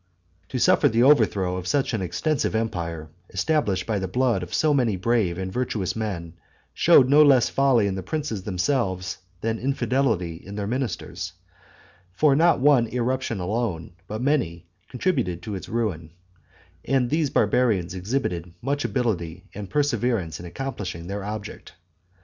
To suffer the overthrow of such an extensive empire, established by the blood of so many brave and virtuous men, showed no less folly in the princes themselves than infidelity in their ministers; for not one irruption alone, but many, contributed to its ruin; and these barbarians exhibited much ability and perseverance in accomplishing their object.